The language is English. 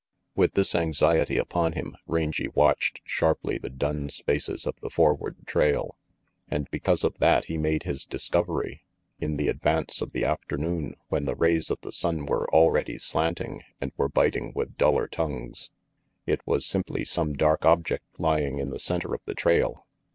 With this anxiety upon him, Rangy watched sharply the dun spaces of the forward trail; and because of that he made his discovery, in the advance of the afternoon when the rays of the sun were already slanting and were biting with duller tongue. It was simply some dark object lying in the center of the trail.